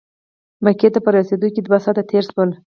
مکې ته په رسېدو کې دوه ساعته تېر شول.